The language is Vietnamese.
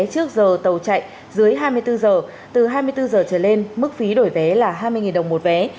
trước giờ tàu chạy dưới hai mươi bốn giờ từ hai mươi bốn giờ trở lên mức phí đổi vé là hai mươi đồng một vé